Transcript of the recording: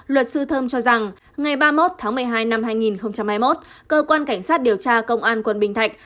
luật sư thơm cho rằng ngày ba mươi một tháng một mươi hai năm hai nghìn hai mươi một cơ quan cảnh sát điều tra công an quận bình thạnh